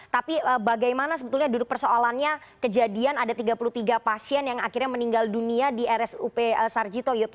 tapi bagaimana sebetulnya duduk persoalannya kejadian ada tiga puluh tiga pasien yang akhirnya meninggal dunia di rsup sarjito